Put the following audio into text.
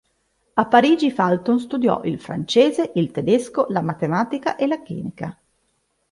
A Parigi, Fulton studiò il francese, il tedesco, la matematica e la chimica.